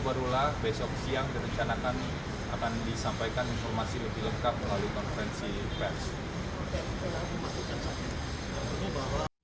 barulah besok siang direncanakan akan disampaikan informasi lebih lengkap melalui konferensi pers